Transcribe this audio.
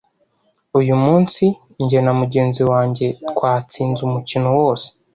Uyu munsi, njye na mugenzi wanjye twatsinze umukino wose.